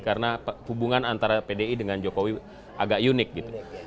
karena hubungan antara pdi dengan jokowi agak unik gitu